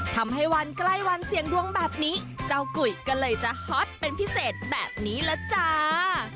ทำให้วันใกล้วันเสี่ยงดวงแบบนี้เจ้ากุยก็เลยจะฮอตเป็นพิเศษแบบนี้ละจ้า